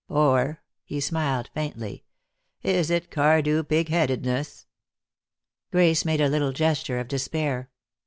Or" he smiled faintly "is it Cardew pig headedness?" Grace made a little gesture of despair.